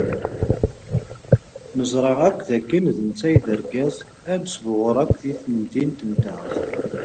Neẓra akk dakken d netta ay d argaz anesbaɣur akk deg temdint-nteɣ.